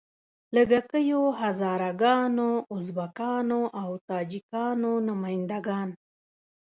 د لږه کیو هزاره ګانو، ازبکانو او تاجیکانو نماینده ګان.